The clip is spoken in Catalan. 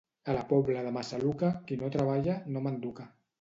A la Pobla de Massaluca, qui no treballa, no manduca.